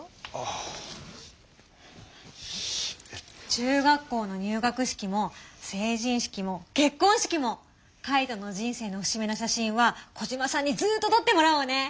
中学校の入学式も成人式も結こん式もカイトの人生の節目の写真はコジマさんにずっととってもらおうね。